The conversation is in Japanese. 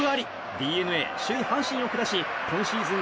ＤｅＮＡ、首位、阪神を下し今シーズン